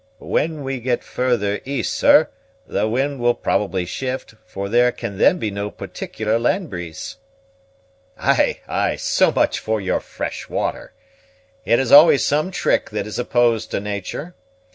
"When we get farther east, sir, the wind will probably shift, for there can then be no particular land breeze." "Ay, ay; so much for your fresh water! It has always some trick that is opposed to nature.